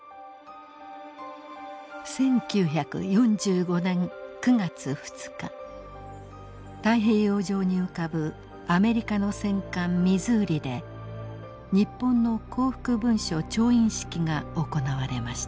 １９４５年９月２日太平洋上に浮かぶアメリカの戦艦ミズーリで日本の降伏文書調印式が行われました。